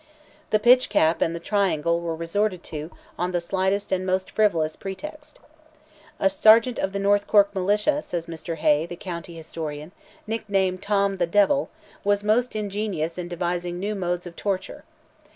The pitch cap and the triangle were resorted to on the slightest and most frivolous pretexts. "A sergeant of the North Cork Militia," says Mr. Hay, the county historian, "nicknamed, Tom the Devil, was most ingenious in devising new modes of torture.